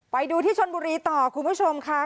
ไปดูที่ชนบุรีต่อคุณผู้ชมค่ะ